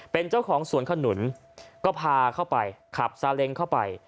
เป็นเจ้าของสวนขนุนก็พาเข้าไปขับซาเล็งเข้าไป